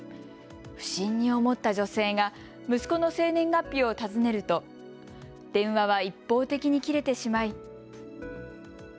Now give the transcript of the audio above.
不審に思った女性が息子の生年月日を尋ねると電話は一方的に切れてしまい。